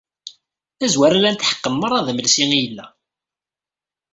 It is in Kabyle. Tazwara llan tḥeqqen merra d amelsi i yella.